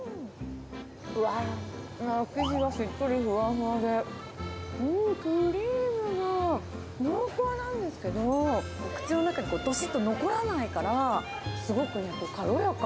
わー、生地がしっとりふわふわで、クリームが濃厚なんですけど、口の中にどすっと残らないから、すごく軽やか。